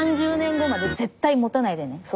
３０年後まで絶対持たないでね